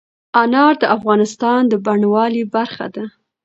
انار د افغانستان د بڼوالۍ برخه ده.